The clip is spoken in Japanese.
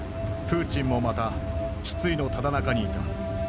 プーチンもまた失意のただ中にいた。